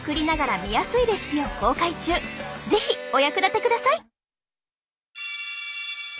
是非お役立てください。